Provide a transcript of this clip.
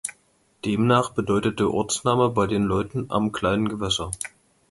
Demnach bedeutet der Ortsname bei den Leuten am kleinen Gewässer.